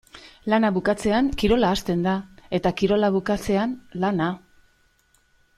Lana bukatzean kirola hasten da eta kirola bukatzean lana.